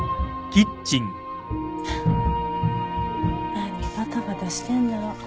何バタバタしてんだろ。